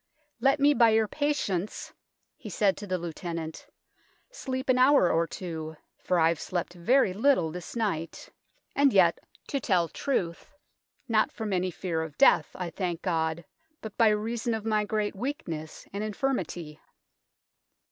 " Let me by your patience," he said to the Lieutenant, " sleep an hour or two, for I have slept very little this night ; and yet, to tell truth, not from any THE BELL TOWER 69 fear of death, I thank God, but by reason of my great weakness and infirmity."